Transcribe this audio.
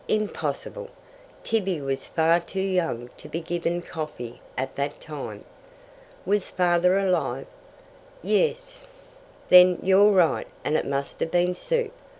"Impossible. Tibby was far too young to be given coffee at that time." "Was Father alive?" "Yes." "Then you're right and it must have been soup.